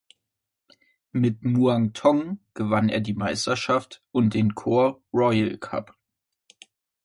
Mit Muangthong gewann er die Meisterschaft und den Kor Royal Cup.